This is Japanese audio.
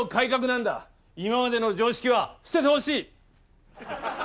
今までの常識は捨ててほしい！